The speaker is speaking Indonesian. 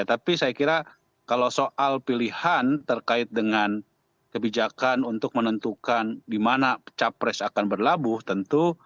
tapi saya kira kalau soal pilihan terkait dengan kebijakan untuk menentukan di mana capres akan berlabuh tentu